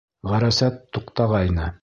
Ғәрәсәт туҡтағайны.